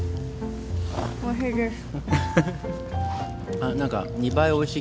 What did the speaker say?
おいしいです。